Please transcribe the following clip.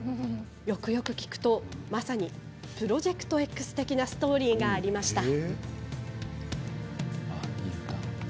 よくよく聞くとまさに「プロジェクトＸ」的なストーリーがありました。